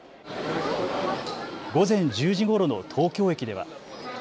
午前１０時ごろの東京駅では。